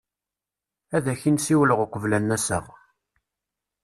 Ad ak-in-ssiwleɣ uqbel ad n-aseɣ.